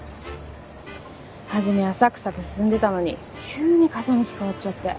初めはサクサク進んでたのに急に風向き変わっちゃって。